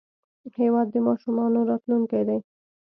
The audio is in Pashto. هېواد د ماشومانو راتلونکی دی.